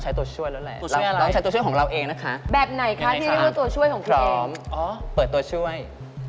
ใช่สิตัวช่วยอะไรตัวช่วยของเราเองนะคะยังไงคะพร้อมเปิดตัวช่วย